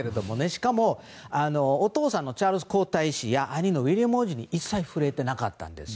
しかもお父さんのチャールズ皇太子や兄のウィリアム王子に一切触れてなかったんです。